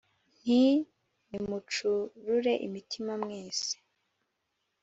nti nimucurure imitima mwese,